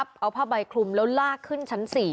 เอาผ้าใบคลุมแล้วลากขึ้นชั้น๔